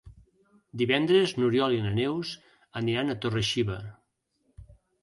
Divendres n'Oriol i na Neus aniran a Torre-xiva.